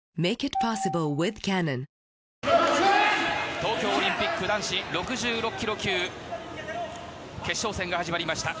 東京オリンピック男子６６ｋｇ級決勝戦が始まりました。